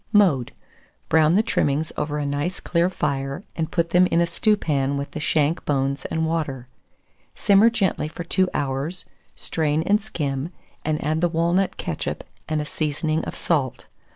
Mode. Brown the trimmings over a nice clear fire, and put them in a stewpan with the shank bones and water; simmer gently for 2 hours, strain and skim, and add the walnut ketchup and a seasoning of salt.